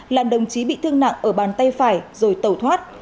làm đồng chí bị thương nặng ở bàn tay phải rồi tẩu thoát